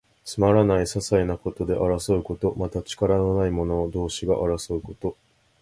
つまらない、ささいなことで争うこと。また、力のない者同士が争うこと。